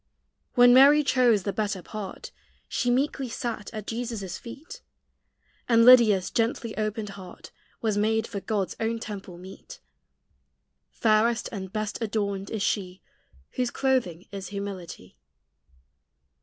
When Mary chose "the better part," She meekly sat at Jesus' feet; And Lydia's gently opened heart Was made for God's own temple meet: Fairest and best adorned is she Whose clothing is humility.